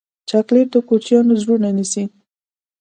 چاکلېټ د کوچنیانو زړونه نیسي.